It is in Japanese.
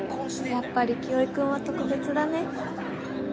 やっぱり清居君は特別だね。